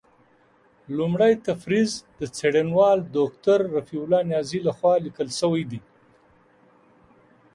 لومړۍ تقریض د څېړنوال دوکتور رفیع الله نیازي له خوا لیکل شوی دی.